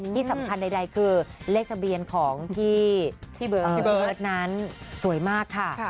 ที่สำคัญใดคือเลขทะเบียนของพี่เบิร์ตนั้นสวยมากค่ะ